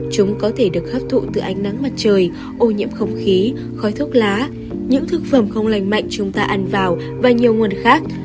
chúng có thể được hấp thụ từ ánh nắng mặt trời ô nhiễm không khí khói thuốc lá những thực phẩm không lành mạnh chúng ta ăn vào và nhiều nguồn khác